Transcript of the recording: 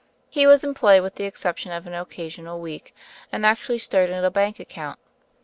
He was employed, with the exception of an occasional week, and actually started a bank account.